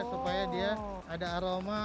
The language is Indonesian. supaya dia ada aroma